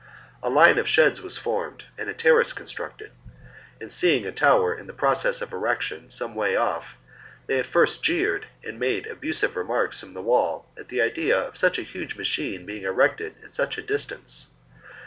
A line of sheds was formed and a terrace constructed ;^ ajid seeing a tower in process of erection some way off, they at first jeered and made abusive remarks from the wall at the idea of such a huge machine being erected at such a distance.